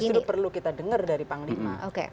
nah itu justru perlu kita dengar dari panglima